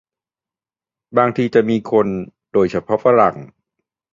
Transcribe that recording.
บางทีจะมีคน โดยเฉพาะฝรั่ง